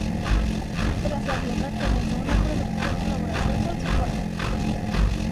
Tras la guerra comenzó una productiva colaboración con su padre.